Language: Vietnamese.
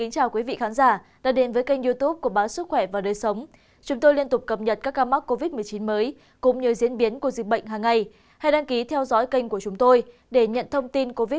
các bạn hãy đăng ký kênh để ủng hộ kênh của chúng mình nhé